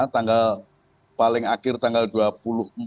tanggal paling akhir tanggal dua puluh empat menurut saya itu tidak terlalu lama